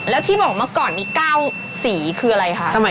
แล้วที่บอกเมื่อก่อนมี๙สีคืออะไรคะ